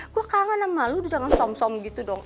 gue kangen sama lo udah jangan som som gitu dong